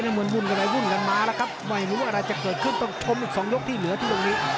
ในวันวุ่นก็ได้วุ่นกันมาแล้วครับไหวหมูอาจจะเกิดขึ้นต้องชมอีก๒ยกที่เหลือที่ตรงนี้